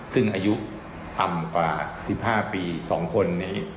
ซึ่งอายุต่ำกว่า๑๕ปี๒คนนี้